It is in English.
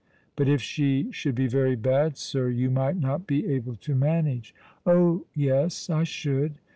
" But if she should be very bad, sir, you might not be able to manage." " Oh yes, I should.